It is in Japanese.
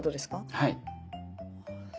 はい。